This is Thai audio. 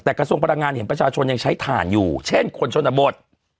แต่กระทรวงพลังงานเห็นประชาชนยังใช้ถ่านอยู่เช่นคนชนบท